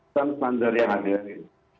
standar yang ada di